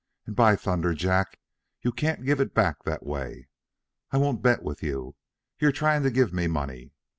"And, by thunder, Jack, you can't give it back that way. I won't bet with you. You're trying to give me money.